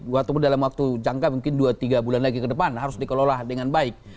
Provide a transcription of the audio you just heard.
walaupun dalam waktu jangka mungkin dua tiga bulan lagi ke depan harus dikelola dengan baik